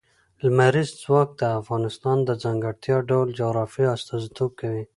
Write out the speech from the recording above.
لمریز ځواک د افغانستان د ځانګړي ډول جغرافیه استازیتوب کوي.